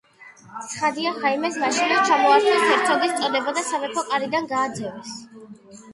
ცხადია ხაიმეს მაშინვე ჩამოართვეს ჰერცოგის წოდება და სამეფო კარიდან გააძევეს.